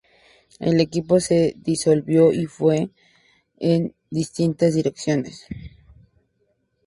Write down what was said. El equipo se disolvió y se fue en distintas direcciones.